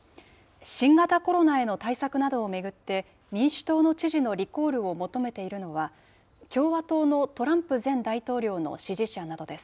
新型コロナへの対策などを巡って、民主党の知事のリコールを求めているのは、共和党のトランプ前大統領の支持者などです。